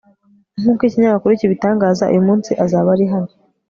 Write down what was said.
nk'uko ikinyamakuru kibitangaza, uyu munsi azaba ari hano